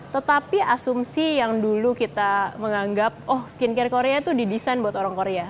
tetapi asumsi yang dulu kita menganggap oh skincare korea itu didesain buat orang korea